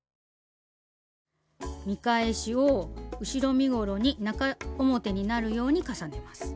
見返しを後ろ身ごろに中表になるように重ねます。